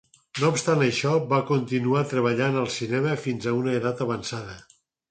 No obstant això, va continuar treballant al cinema fins a una edat avançada.